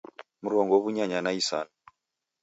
Mrongo w'unyanya na isanu